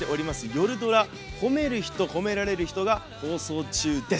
夜ドラ「褒めるひと褒められるひと」が放送中です。